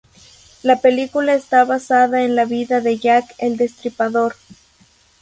La película está basada en la vida de Jack el destripador.